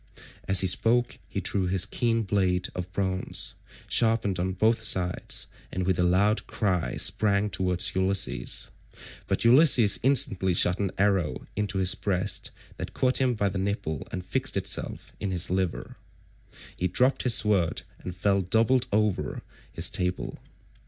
As he spoke he drew his keen blade of bronze, sharpened on both sides, and with a loud cry sprang towards Ulysses, but Ulysses instantly shot an arrow into his breast that caught him by the nipple and fixed itself in his liver. He dropped his sword and fell doubled up over his table.